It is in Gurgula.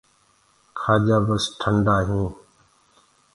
ڪآجآ بس ٽآندآ هينٚ۔